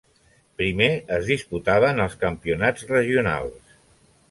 Primer es disputaven els campionats regionals.